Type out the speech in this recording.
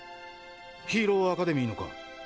ヒーローアカデミーのか？